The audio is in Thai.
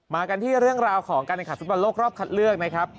กันที่เรื่องราวของการแข่งขันฟุตบอลโลกรอบคัดเลือกนะครับ